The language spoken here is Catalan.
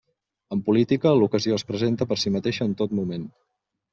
En política, l'ocasió es presenta per si mateixa en tot moment.